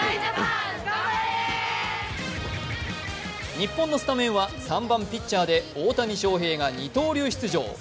日本のスタメンは３番・ピッチャーで大谷翔平が二刀流出場。